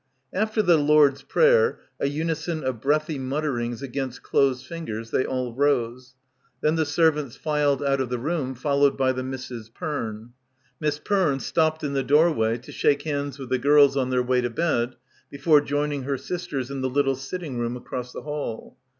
After the Lord's Prayer, a unison of breathy mutterings against closed fingers, they all rose. Then the servants filed out of the room followed by the Misses Perne. Miss Perne stopped in the doorway to shake hands with the girls on their way to bed before joining her sisters in the little sitting room across the hall.